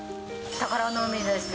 宝の海です。